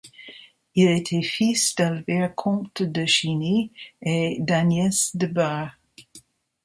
Il était fils d'Albert comte de Chiny et d'Agnès de Bar.